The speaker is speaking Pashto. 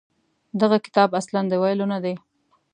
دغه کتاب اصلاً د ویلو نه دی.